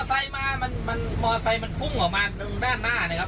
มอเตอร์ไซด์มันพุ่งออกมาด้านหน้านะครับ